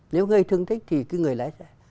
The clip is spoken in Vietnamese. nếu ngây thương thích thì người lái sẽ